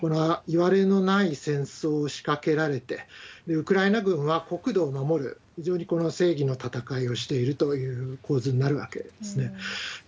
いわれのない戦争を仕掛けられて、ウクライナ軍は国土を守る、非常に正義の戦いをしているという構図になるわけですね。